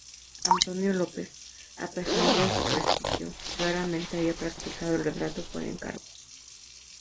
Antonio López, a pesar de su prestigio, raramente había practicado el retrato por encargo.